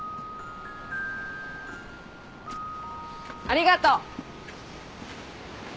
ありがとう。